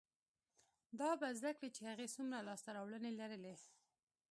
دا به زده کړي چې هغې څومره لاسته راوړنې لرلې،